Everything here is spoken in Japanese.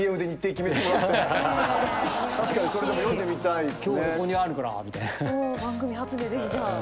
確かにそれでも読んでみたいっすね。